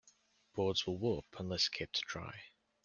Boards will warp unless kept dry.